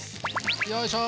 よいしょ。